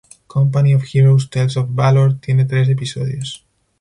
Company of Heroes: Tales Of Valor tiene tres episodios.